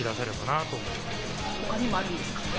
他にもあるんですか？